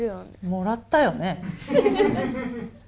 もらったよね。